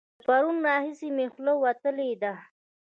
له پرونه راهسې مې خوله وتلې ده.